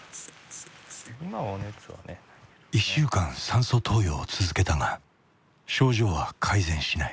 １週間酸素投与を続けたが症状は改善しない。